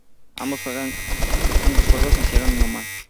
Ambos juegos se hicieron en Omán.